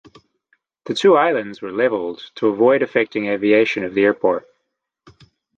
The two islands were leveled to avoid affecting aviation of the airport.